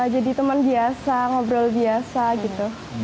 jadi teman biasa ngobrol biasa gitu